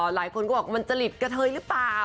หลายคนก็บอกว่ามันจะหลีดกับเธอหรือเปล่า